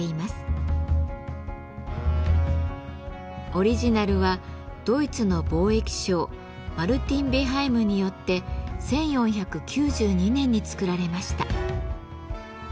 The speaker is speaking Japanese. オリジナルはドイツの貿易商マルティン・ベハイムによって１４９２年に作られました。